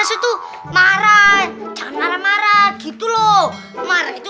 itu marah marah gitu loh